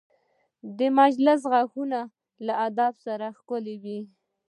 د مجلس غږونه له ادب سره ښکلي وي